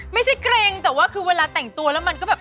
เกร็งแต่ว่าคือเวลาแต่งตัวแล้วมันก็แบบ